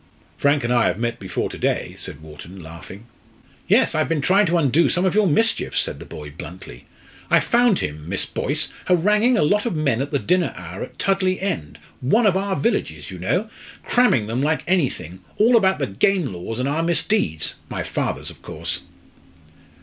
"Frank and I have met before to day!" said Wharton, laughing. "Yes, I've been trying to undo some of your mischief," said the boy, bluntly. "I found him, Miss Boyce, haranguing a lot of men at the dinner hour at Tudley End one of our villages, you know cramming them like anything all about the game laws, and our misdeeds my father's, of course."